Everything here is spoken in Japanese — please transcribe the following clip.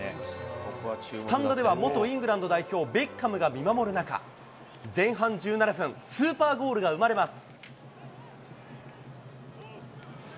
スタンドでは元イングランド代表、ベッカムが見守る中、前半１７分、スーパーゴールが生まれます。